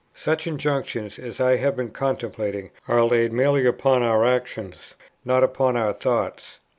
Such injunctions as I have been contemplating are laid merely upon our actions, not upon our thoughts.